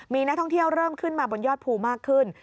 มีนักท่องเที่ยวเริ่มขึ้นมาบนยอดภูมากขึ้น